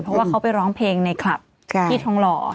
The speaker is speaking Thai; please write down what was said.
เพราะว่าเขาไปร้องเพลงในคลับที่ทองหล่อ